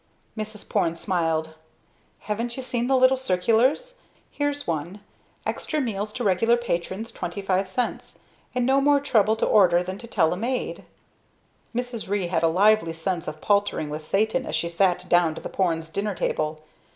Mrs. Porne smiled. "Haven't you seen the little circular? Here's one, 'Extra meals to regular patrons 25 cents.' And no more trouble to order than to tell a maid." Mrs. Ree had a lively sense of paltering with Satan as she sat down to the Porne's dinner table.